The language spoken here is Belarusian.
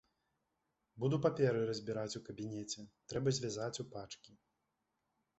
Буду паперы разбіраць у кабінеце, трэба звязаць у пачкі.